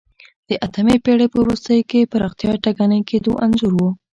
د اتمې پېړۍ په وروستیو کې پراختیا ټکنۍ کېدو انځور و